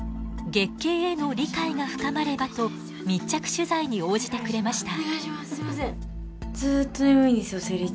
月経への理解が深まればと密着取材に応じてくれました。